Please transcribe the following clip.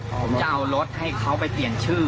ผมจะเอารถให้เขาไปเปลี่ยนชื่อ